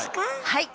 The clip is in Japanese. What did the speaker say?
はい！